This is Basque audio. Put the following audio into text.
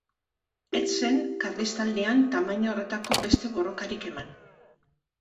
Ez zen Karlistaldian tamaina horretako beste borrokarik eman.